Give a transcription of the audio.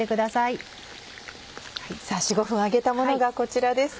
４５分揚げたものがこちらです。